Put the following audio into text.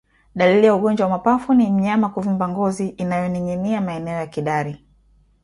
Dalili ya ugonjwa wa mapafu ni mnyama kuvimba ngozi inayoninginia maeneo ya kidari